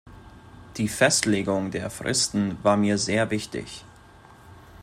Die Festlegung der Fristen war mir sehr wichtig.